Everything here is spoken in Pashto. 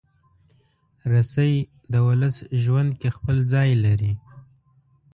رسۍ د ولس ژوند کې خپل ځای لري.